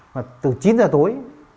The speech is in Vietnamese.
mà từ chín giờ tối